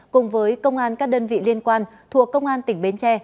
cùng với công an các đơn vị liên quan thuộc công an tỉnh bến tre